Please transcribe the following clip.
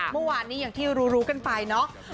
เมื่อวานนี้อย่างที่รู้กันไปเนาะ